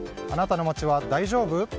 あなたの街は大丈夫？